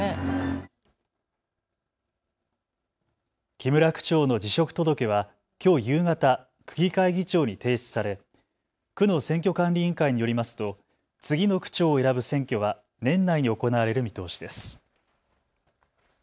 木村区長の辞職届はきょう夕方、区議会議長に提出され区の選挙管理委員会によりますと次の区長を選ぶ選挙は年内に行われる見通しです。